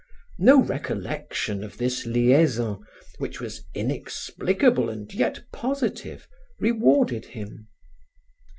No recollection of this liaison, which was inexplicable and yet positive, rewarded him.